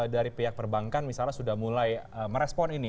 dari pihak perbankan misalnya sudah mulai merespon ini